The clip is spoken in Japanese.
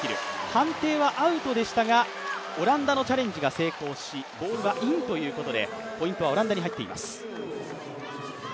判定はアウトでしたが、オランダのチャレンジが成功しボールはインということでポイントはオランダに入っています。